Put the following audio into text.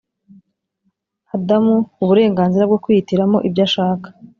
Adamu uburenganzira bwo kwihitiramo ibyo ashaka